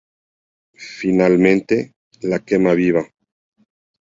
Finalmente la quema viva.